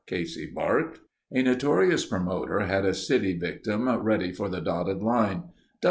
Casey barked. A notorious promoter had a city victim ready for the dotted line.